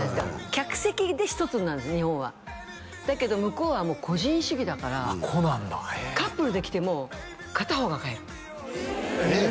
客席で一つになるんです日本はだけど向こうは個人主義だからあっ個なんだへえカップルで来ても片方が帰るえっ！？